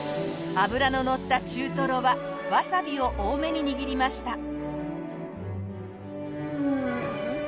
脂ののった中トロはわさびを多めに握りました。